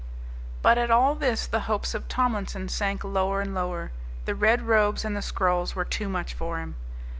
But at all this the hopes of Tomlinson sank lower and lower. The red robes and the scrolls were too much for him.